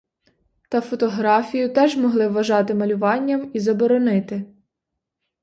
Та фотографію теж могли вважати малюванням і заборонити.